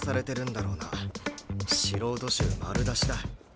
素人臭丸出しだ。